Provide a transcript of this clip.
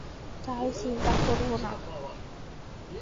তাই চিন্তা করবেন না।